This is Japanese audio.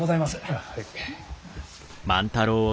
ああはい。